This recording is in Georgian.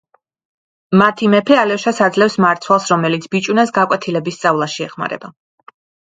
მათი მეფე ალიოშას აძლევს მარცვალს, რომელიც ბიჭუნას გაკვეთილების სწავლაში ეხმარება.